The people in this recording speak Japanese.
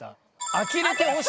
「あきれてほしい」。